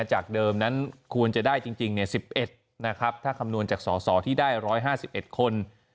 จากเดิมนั้นควรจะได้จริงจริงเนี่ยสิบเอ็ดนะครับถ้าคำนวณจากสอสอที่ได้ร้อยห้าสิบเอ็ดคน